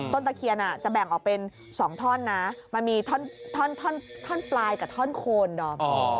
ตะเคียนจะแบ่งออกเป็น๒ท่อนนะมันมีท่อนปลายกับท่อนโคนดอม